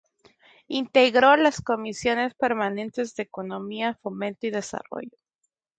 Integró la Comisiones Permanentes de Economía, Fomento y Desarrollo.